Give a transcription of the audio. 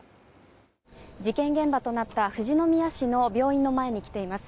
事件現場となった富士宮市の病院の前に来ています。